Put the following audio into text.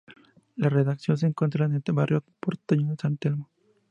La Redacción se encuentra en el barrio porteño de San Telmo.